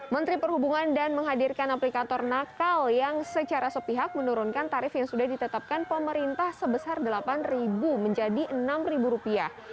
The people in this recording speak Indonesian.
menteri perhubungan dan menghadirkan aplikator nakal yang secara sepihak menurunkan tarif yang sudah ditetapkan pemerintah sebesar delapan menjadi enam rupiah